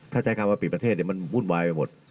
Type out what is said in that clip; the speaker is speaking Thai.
ถ้าใช้คำว่าปิดประเทศมันวุ่นวายไปหมด